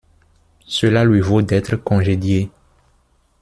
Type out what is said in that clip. Cela lui vaut d'être congédié.